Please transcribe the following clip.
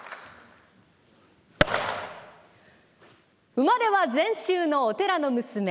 生まれは禅宗のお寺の娘。